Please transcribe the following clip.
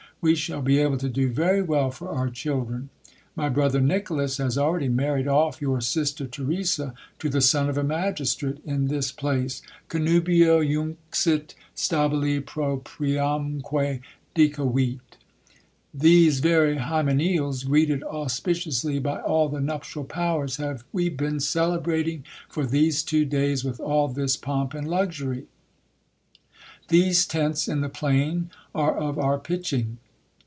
We shall be able to do very well for our children. My brother Nicholas has already married off your sister Theresa to the son of a magistrate in this place — Contmbio junxit stabili propriamque dica vit. These very hymeneals, greeted auspiciously by all the nuptial powers, have we been celebrating for these two days with all this pomp and luxury. These tents in the plain are of our pitching.